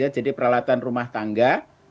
jadi peralatan rumah tangga